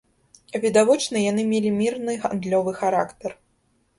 Відавочна, яны мелі мірны гандлёвы характар.